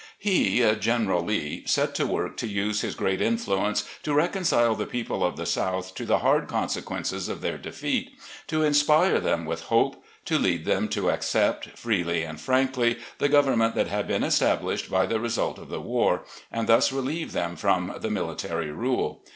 He (General Lee) set to work to use his great influence to reconcile the people of the South to the hard consequences of their defeat, to inspire them with hope, to lead them to accept, freely and frankly, the government that had been established by the result of the war, and thus relieve them from the military rule.